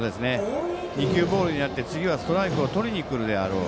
２球ボールになって次はストライクをとりにくるであろう。